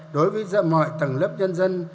đối với mọi tầng lớp nhân dân